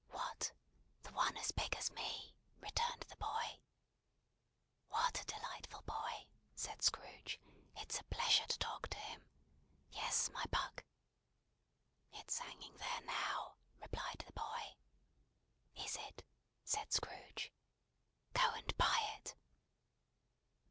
"What, the one as big as me?" returned the boy. "What a delightful boy!" said Scrooge. "It's a pleasure to talk to him. Yes, my buck!" "It's hanging there now," replied the boy. "Is it?" said Scrooge. "Go and buy it."